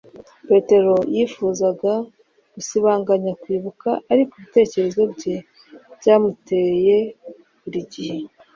Peter yifuzaga gusibanganya kwibuka, ariko ibitekerezo bye byamuteye buri gihe.